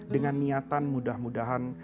dengan niatan mudah mudahan